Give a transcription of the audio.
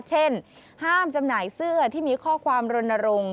เช่นห้ามจำหน่ายเสื้อที่มีข้อความรณรงค์